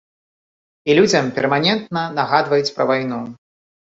І людзям перманентна нагадваюць пра вайну.